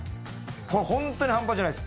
本当に半端じゃないです。